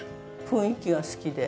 雰囲気が好きで。